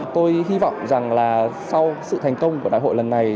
tôi hy vọng rằng là sau sự thành công của đại hội lần này